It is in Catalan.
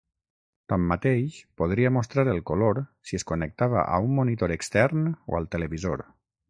Tanmateix, podria mostrar el color si es connectava a un monitor extern o al televisor.